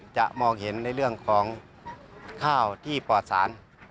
มองเห็นในเรื่องของข้าวที่ปลอดสาร